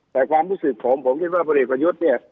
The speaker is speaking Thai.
แต่ความรู้สึกผมผมคิดว่าพลเอกประยุทธ์เนี่ย